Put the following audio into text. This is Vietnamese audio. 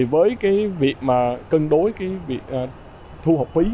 với việc cân đối thu học phí